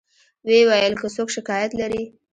و یې ویل که څوک شکایت لري.